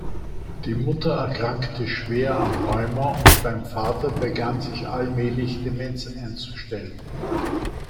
Die Mutter erkrankte schwer an Rheuma und beim Vater begann sich allmählich Demenz einzustellen.